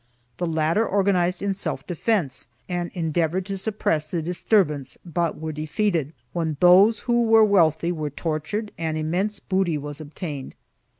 The latter organized in self defence and endeavored to suppress the disturbance but were defeated, when those who were wealthy were tortured and immense booty was obtained.